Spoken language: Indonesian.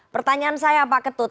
pertanyaan saya pak ketut